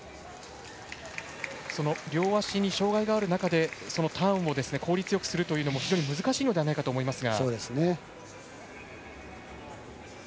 両足に障がいがある中でターンを効率よくするというのも非常に難しいのではないかと思いますが。